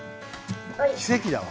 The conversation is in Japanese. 奇跡だわ。